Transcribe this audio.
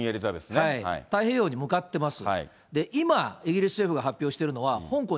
太平洋に向かってます。